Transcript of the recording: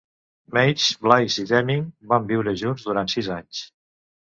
Meigs, Blais i Deming van viure junts durant sis anys.